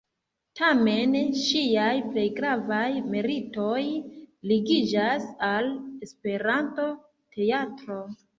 Tamen ŝiaj plej gravaj meritoj ligiĝas al Esperanto-teatro.